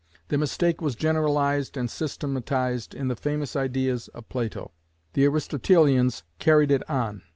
The mistake was generalized and systematized in the famous Ideas of Plato. The Aristotelians carried it on.